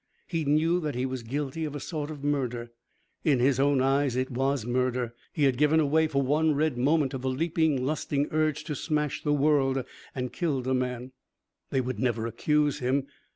He knew that he was guilty of a sort of murder. In his own eyes it was murder. He had given away for one red moment to the leaping, lusting urge to smash the world. And killed a man. They would never accuse him.